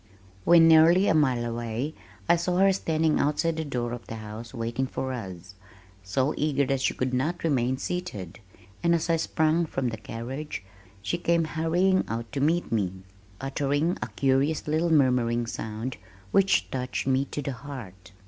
When nearly a mile away I saw her standing outside the door of the house waiting for us, so eager that she could not remain seated, and as I sprang from the carriage she came hurrying out to meet me, uttering a curious little murmuring sound which touched me to the heart.